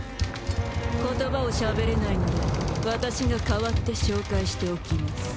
言葉をしゃべれないので私が代わって紹介しておきます。